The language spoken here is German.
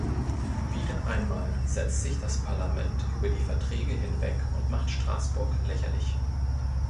Wieder einmal setzt sich das Parlament über die Verträge hinweg und macht Straßburg lächerlich.